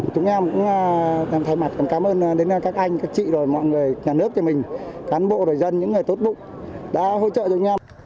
chúng em cũng thay mặt còn cảm ơn đến các anh các chị rồi mọi người nhà nước thì mình cán bộ rồi dân những người tốt bụng đã hỗ trợ cho chúng em